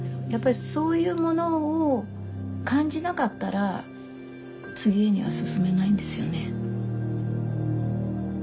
やっぱりそういうものを感じなかったら次には進めないんですよね。